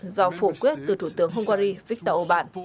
do phủ quyết từ thủ tướng hungary viktor orbán